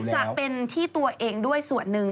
จะเป็นที่ตัวเองด้วยส่วนหนึ่ง